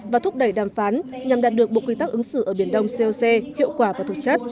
và thúc đẩy đàm phán nhằm đạt được bộ quy tắc ứng xử ở biển đông coc hiệu quả và thực chất